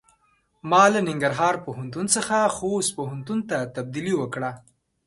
ما له ننګرهار پوهنتون څخه خوست پوهنتون ته تبدیلي وکړۀ.